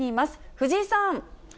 藤井さん。